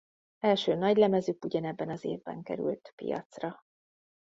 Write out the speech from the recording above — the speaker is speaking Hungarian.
Első nagylemezük ugyanebben az évben került piacra.